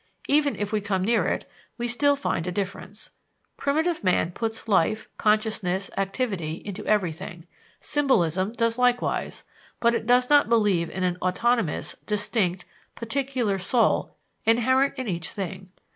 Even if we come near it, we still find a difference. Primitive man puts life, consciousness, activity, into everything; symbolism does likewise, but it does not believe in an autonomous, distinct, particular soul inherent in each thing.